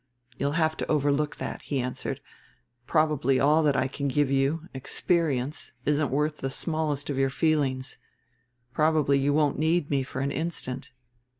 "You'll have to overlook that," he answered; "probably all that I can give you, experience, isn't worth the smallest of your feelings. Probably you won't need me for an instant.